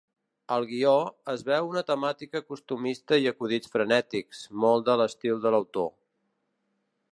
Al guió, es veu una temàtica costumista i acudits frenètics, molt de l'estil de l'autor.